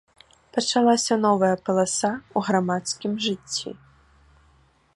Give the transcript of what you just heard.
Пачалася новая паласа ў грамадскім жыцці.